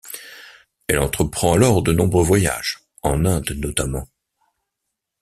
Elle entreprend alors de nombreux voyages, en Inde notamment.